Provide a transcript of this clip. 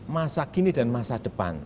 masa kini dan masa depan